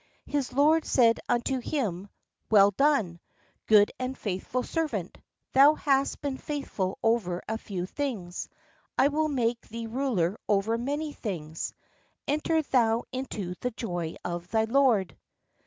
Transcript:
His lord said unto him : 'Well done, good and faithful servant: thou hast been faithful over a few things, I will make thee ruler over many things: 62 enter thou into the joy of thy lord."